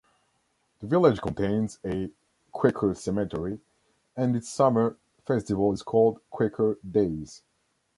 The village contains a "Quaker Cemetery" and its summer festival is called "Quaker Days".